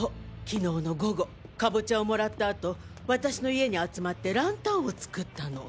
昨日の午後カボチャをもらった後私の家に集まってランタンを作ったの。